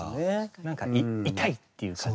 なんか痛いっていう感じ。